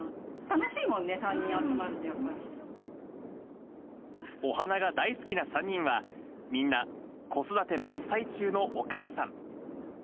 楽しいもんね、３人集まると、お花が大好きな３人は、みんな子育て真っ最中のお母さん。